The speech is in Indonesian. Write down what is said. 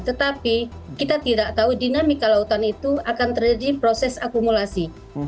tetapi kita tidak tahu dinamika lautan itu akan terjadi proses akumulasi